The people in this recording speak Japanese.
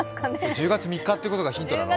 １０月３日っていうことがヒントなの？